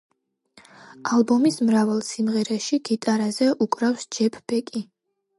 ალბომის მრავალ სიმღერაში გიტარაზე უკრავს ჯეფ ბეკი.